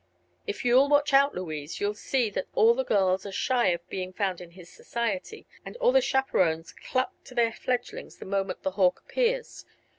If you'll watch out, Louise, you'll see that all the girls are shy of being found in his society, and all the chaperons cluck to their fledglings the moment the hawk appears.